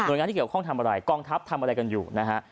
โดยงานที่เกี่ยวข้องทำอะไรกองทัพทำอะไรกันอยู่นะฮะ